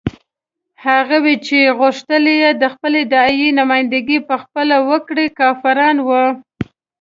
هغوی چې غوښتل یې د خپلې داعیې نمايندګي په خپله وکړي کافران وو.